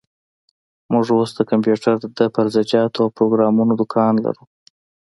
موږ اوس د کمپيوټر د پرزه جاتو او پروګرامونو دوکان لري.